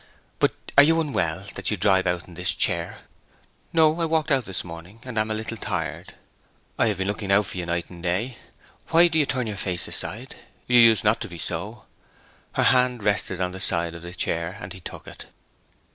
But are you unwell, that you drive out in this chair?' 'No; I walked out this morning, and am a little tired.' 'I have been looking for you night and day. Why do you turn your face aside? You used not to be so.' Her hand rested on the side of the chair, and he took it.